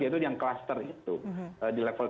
yaitu yang klaster itu di level